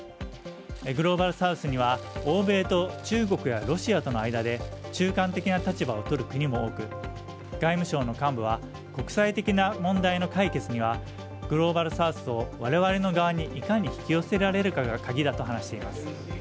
グローバルサウスには欧米と中国やロシアとの間で中間的な立場をとる国も多く、外務省の幹部は国際的な問題の解決にはグローバルサウスを我々の側にいかに引き寄せられるかがカギだと話しています。